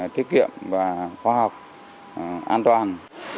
thiết kiệm và khoa học an toàn